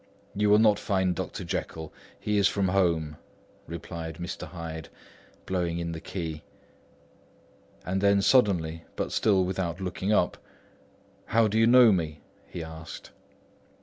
"You will not find Dr. Jekyll; he is from home," replied Mr. Hyde, blowing in the key. And then suddenly, but still without looking up, "How did you know me?" he asked.